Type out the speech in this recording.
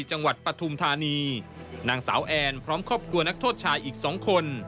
ปฐุมธานีนางสาวแอนพร้อมครอบครัวนักโทษชายอีกสองคน